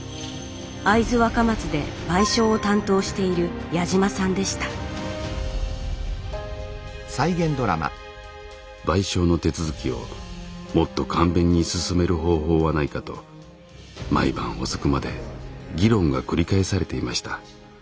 会津若松で賠償を担当している矢島さんでした賠償の手続きをもっと簡便に進める方法はないかと毎晩遅くまで議論が繰り返されていました。